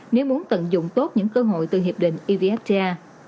nếu muốn tận dụng tốt những cơ hội từ hiệp định evfta